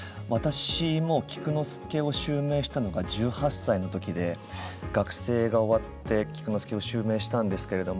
私も菊之助を襲名したのが１８歳のときで学生が終わって菊之助を襲名しました。